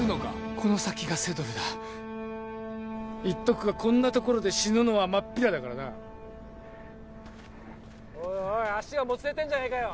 この先がセドルだ言っとくがこんなところで死ぬのはまっぴらだからなおいおい足がもつれてんじゃねえかよ